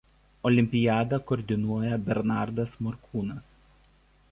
Olimpiadą koordinuoja Bernardas Morkūnas.